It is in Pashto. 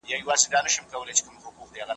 راتلونکي نسل ته يې سپارو.